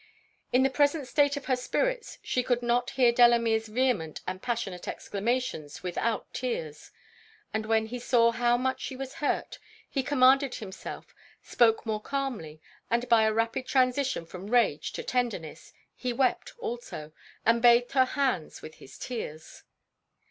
In the present state of her spirits, she could not hear Delamere's vehement and passionate exclamations without tears; and when he saw how much she was hurt, he commanded himself; spoke more calmly; and by a rapid transition from rage to tenderness, he wept also, and bathed her hands with his tears.